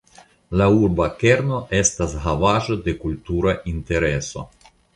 La urba kerno estas Havaĵo de Kultura Intereso.